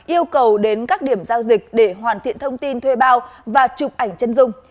yêu cầu đến các điểm giao dịch để hoàn thiện thông tin thuê bao và chụp ảnh chân dung